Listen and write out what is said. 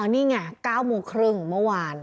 นี่ไง๙โมงครึ่งเมื่อวาน